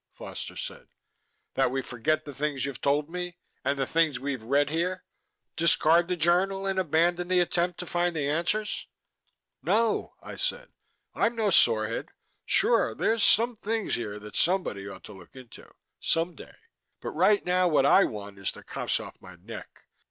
Foster said. "That we forget the things you've told me, and the things we've read here, discard the journal, and abandon the attempt to find the answers?" "No," I said. "I'm no sorehead. Sure, there's some things here that somebody ought to look into some day. But right now what I want is the cops off my neck.